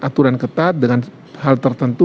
aturan ketat dengan hal tertentu